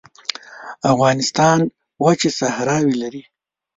افغانستان وچې صحراوې لري